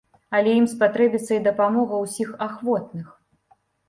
Але ім спатрэбіцца і дапамога ўсіх ахвотных.